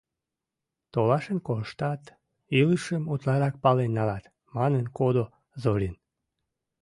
Толашен коштат, илышым утларак пален налат, — манын кодо Зорин.